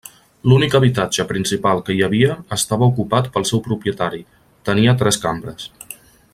L'únic habitatge principal que hi havia estava ocupat pel seu propietari; tenia tres cambres.